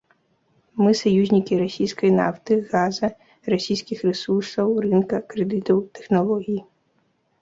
Мы саюзнікі расійскай нафты, газа, расійскіх рэсурсаў, рынка, крэдытаў, тэхналогій.